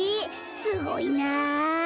すごいな。